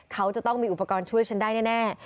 เขาจะต้องมีอุปกรณ์ช่วยฉันได้แน่